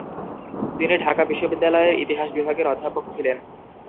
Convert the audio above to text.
তিনি ঢাকা বিশ্ববিদ্যালয়ের ইতিহাস বিভাগের অধ্যাপক ছিলেন।